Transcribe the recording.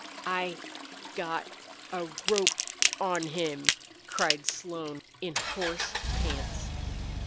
"I got a rope on him!" cried Slone, in hoarse pants.